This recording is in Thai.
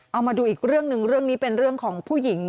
เอามาดูอีกเรื่องหนึ่งเรื่องนี้เป็นเรื่องของผู้หญิง